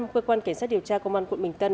cơ quan cảnh sát điều tra công an quận bình tân